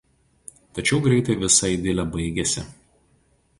Tačiau greitai visa idilė baigėsi.